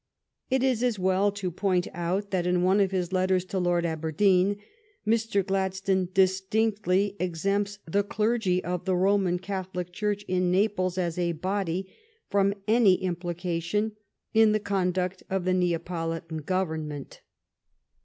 It is as well to point out that, in one of his letters to Lord Aberdeen, Mr. Gladstone distinctly exempts the clergy of the Roman Catholic Church in Naples, as a body, from any implication in the conduct of the Nea politan Government.